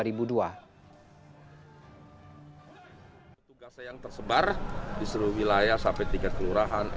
tugas yang tersebar di seluruh wilayah sampai tiket kelurahan